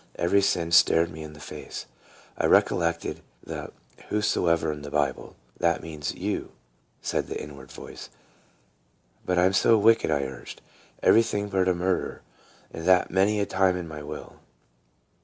Every sin stared me in the face. I recollected the " Whosoever " in the Bible. " That means you," said the inward voice. " But I 'm so wicked," I urged; "everything but a murderer, and that many a time in my will."